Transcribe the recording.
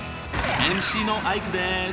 ＭＣのアイクです！